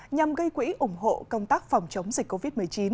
nhằm gây quỹ ủng hộ công tác phòng chống dịch covid một mươi chín